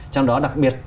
trong đó đặc biệt